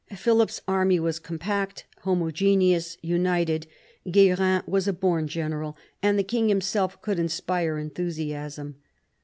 Philip's army was compact, homogeneous, united. Gu&rin was a born general, and the king himself could inspire enthusiasm.